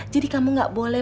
jadi kamu gak boleh